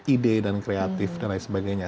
ide dan kreatif dan lain sebagainya